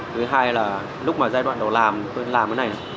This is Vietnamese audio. thứ hai là lúc mà giai đoạn đầu làm tôi làm cái này